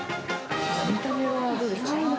見た目はどうですか？